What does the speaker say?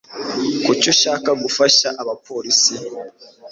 Kuki ushaka gufasha abapolisi?